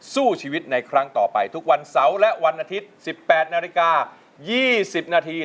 สู้ชีวิตในครั้งต่อไปทุกวันเสาร์และวันอาทิตย์๑๘นาฬิกา๒๐นาที